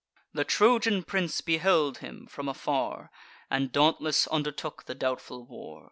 The Trojan prince beheld him from afar, And dauntless undertook the doubtful war.